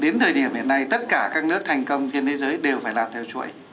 đến thời điểm hiện nay tất cả các nước thành công trên thế giới đều phải làm theo chuỗi